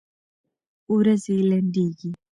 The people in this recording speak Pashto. ورځي لنډيږي